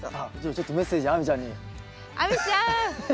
ちょっとメッセージ亜美ちゃんに。